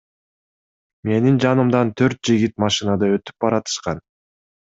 Менин жанымдан төрт жигит машинада өтүп баратышкан.